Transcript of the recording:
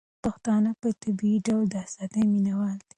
پښتانه په طبيعي ډول د ازادۍ مينه وال دي.